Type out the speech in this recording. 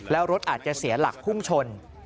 แล้วรถอาจจะเสียหลักพุ่งชน